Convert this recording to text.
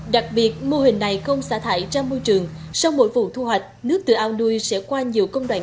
đặc biệt mô hình này không xả thải ra môi trường sau mỗi vụ thu hoạch nước từ ao nuôi sẽ qua nhiều công đoạn